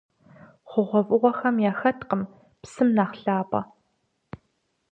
ХъугъуэфӀыгъуэхэм яхэткъым псым нэхъ лъапӀэ.